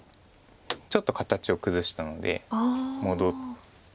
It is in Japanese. ちょっと形を崩したので戻って。